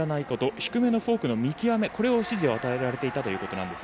低めのフォークの見極めの指示を与えられていたということです。